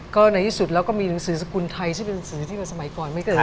ก็ในที่สุดแล้วก็มีหนังสือสกุลไทยซึ่งเป็นหนังสือที่แบบสมัยก่อนไม่เกิด